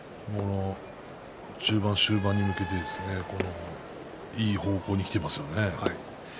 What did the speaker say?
中盤、終盤に向けていい方向にきていますよね。